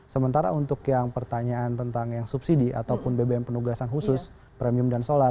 sementara untuk yang pertanyaan tentang yang subsidi ataupun bbm penugasan khusus premium dan solar